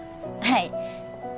はい。